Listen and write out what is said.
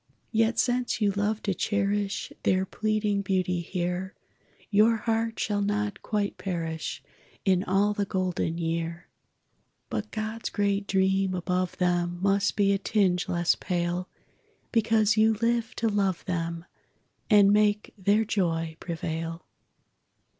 Yet since you loved to cherish Their pleading beauty here, Your heart shall not quite perish In all the golden year; But God's great dream above them Must be a tinge less pale, Because you lived to love them And make their joy prevail.